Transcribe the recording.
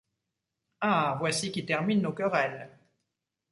Ah ! voici qui termine nos querelles.